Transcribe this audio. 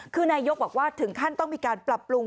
คือนายกบอกว่าถึงขั้นต้องมีการปรับปรุง